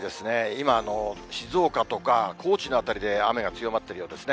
今、静岡とか高知の辺りで雨が強まっているようですね。